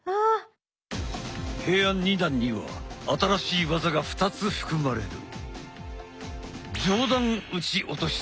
平安二段には新しい技が２つ含まれる。